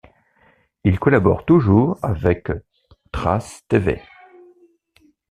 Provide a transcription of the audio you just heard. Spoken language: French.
Il collabore toujours avec Trace Tv.